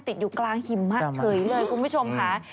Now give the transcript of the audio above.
ติดอยู่กลางหิมะเฉยเลยคุณผู้ชมค่ะ